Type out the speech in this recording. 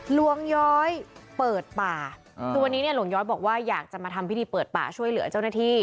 หลวงย้อยเปิดป่าคือวันนี้เนี่ยหลวงย้อยบอกว่าอยากจะมาทำพิธีเปิดป่าช่วยเหลือเจ้าหน้าที่